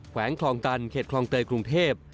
วงคลองตันเขตคลองเตยกรุงเทพ